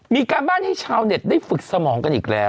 มีการบ้านให้ชาวเน็ตได้ฝึกสมองกันอีกแล้ว